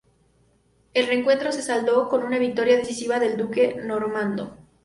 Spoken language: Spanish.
El encuentro se saldó con una victoria decisiva del duque normando.